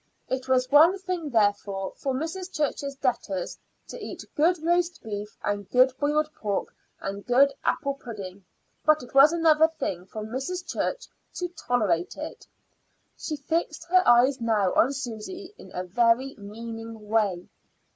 It was one thing, therefore, for Mrs. Church's debtors to eat good roast beef and good boiled pork and good apple pudding, but it was another thing for Mrs. Church to tolerate it. She fixed her eyes now on Susy in a very meaning way.